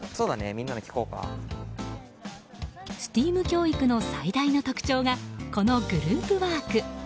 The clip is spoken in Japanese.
ＳＴＥＡＭ教育の最大の特徴がこのグループワーク。